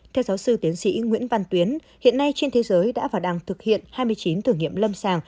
theo giáo sư tiến sĩ nguyễn văn tuyến hiện nay trên thế giới đã và đang thực hiện hai mươi chín thử nghiệm lâm sàng